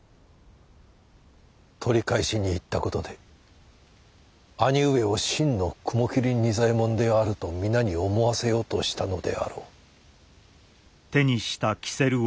取り返しに行った事で兄上を真の雲霧仁左衛門であると皆に思わせようとしたのであろう。